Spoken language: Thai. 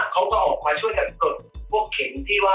เขาก็ออกมาช่วยกันกดพวกเข็มที่ว่า